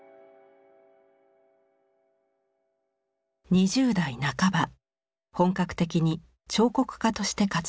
２０代半ば本格的に彫刻家として活動を始めます。